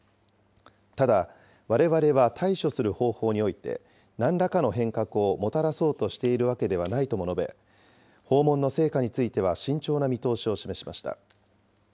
ただ、われわれは対処する方法において、なんらかの変革をもたらそうとしているわけではないとも述べ、訪問の成果については慎重な見通しを示しました。